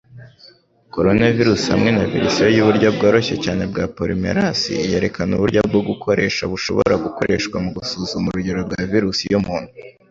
Koronavirusi hamwe na verisiyo yuburyo bworoshye cyane bwa polymerase yerekana uburyo bwo gukoresha bushobora gukoreshwa mugusuzuma urugero rwa virusi yumuntu